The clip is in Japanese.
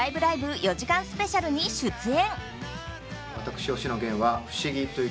４時間スペシャルに出演。